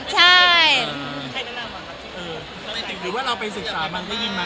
หรือว่าเราไปสึกฆาตมาก็ยินมา